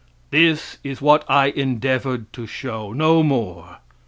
This is what I endeavored to show no more.